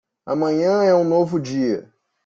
Amanhã é um novo dia.